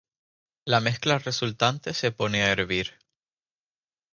La mezcla resultante se pone a hervir.